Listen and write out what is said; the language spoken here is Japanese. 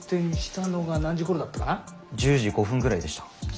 １０時５分ぐらいでした。